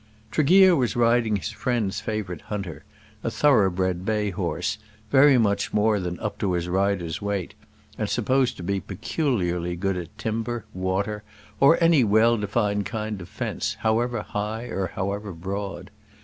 Tregear was riding his friend's favourite hunter, a thoroughbred bay horse, very much more than up to his rider's weight, and supposed to be peculiarly good at timber, water, or any well defined kind of fence, however high or however broad.